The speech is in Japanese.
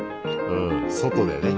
うん外でね。